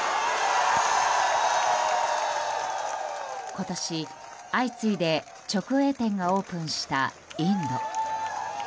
今年、相次いで直営店がオープンしたインド。